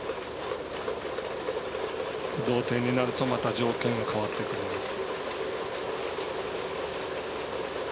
同点になるとまた条件が変わってくるんです。